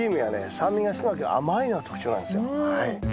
酸味が少なくて甘いのが特徴なんですよ。